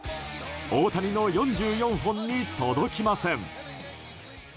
大谷の４４本に届きません。